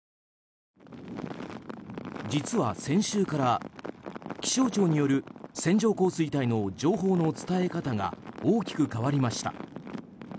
実は、先週から気象庁による線状降水帯の情報の伝え方が大きく変わりました。